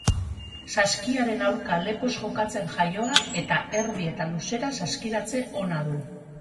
Saskiaren aurka lepoz jokatzen jaioa eta erdi eta luzera saskiratze ona du.